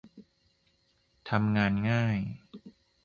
ทำงานง่าย